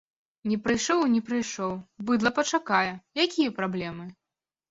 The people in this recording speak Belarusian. Не прыйшоў і не прыйшоў, быдла пачакае, якія праблемы?